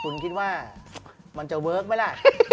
คุณคิดว่ามันจะเวิร์คไหมล่ะ